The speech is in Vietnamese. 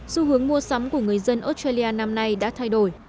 xu hướng mua sắm của người dân australia năm nay đã thay đổi